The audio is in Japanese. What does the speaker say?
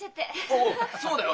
おそうだよ！